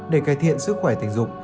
để cải thiện sức khỏe tình dục